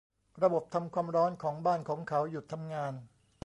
ระบบทำความร้อนของบ้านของเขาหยุดทำงาน